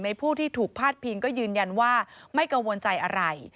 ผู้ที่ถูกพาดพิงก็ยืนยันว่าไม่กังวลใจอะไร